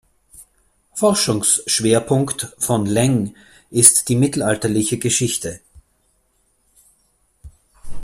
Forschungsschwerpunkt von Leng ist die mittelalterliche Geschichte.